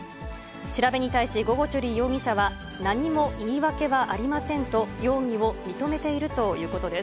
調べに対し、ゴゴチュリ容疑者は、何も言い訳はありませんと、容疑を認めているということです。